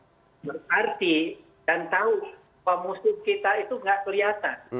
berarti dan tahu pemusuh kita itu nggak kelihatan